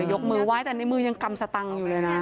ยกมือไหว้แต่ในมือยังกำสตังค์อยู่เลยนะ